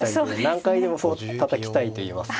何回でも歩をたたきたいといいますか。